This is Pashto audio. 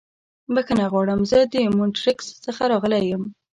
بښنه غواړم. زه د مونټریکس څخه راغلی یم.